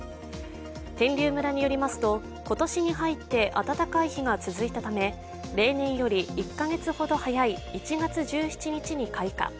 天龍村によりますと、今年に入って暖かい日が続いたため、例年より１か月ほど早い、１月１７日に開花。